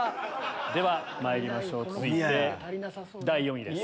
ではまいりましょう続いて第４位です。